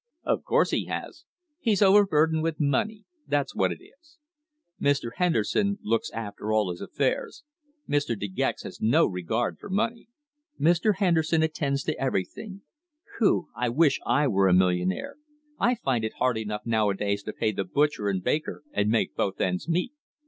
"Of course he has. He's overburdened with money that's what it is. Mr. Henderson looks after all his affairs. Mr. De Gex has no regard for money. Mr. Henderson attends to everything. Phew! I wish I were a millionaire! I find it hard enough nowadays to pay the butcher and baker and make both ends meet."